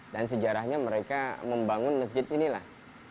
dan sejarahnya mereka membangun masjid inilah